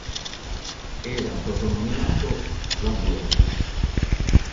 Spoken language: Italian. Era soprannominato "La Gloria".